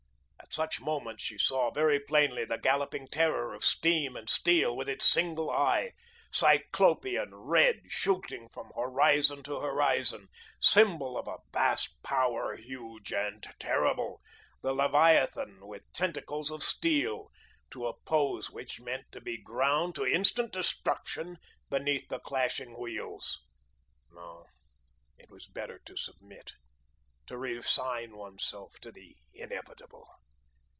At such moments she saw very plainly the galloping terror of steam and steel, with its single eye, cyclopean, red, shooting from horizon to horizon, symbol of a vast power, huge and terrible; the leviathan with tentacles of steel, to oppose which meant to be ground to instant destruction beneath the clashing wheels. No, it was better to submit, to resign oneself to the inevitable.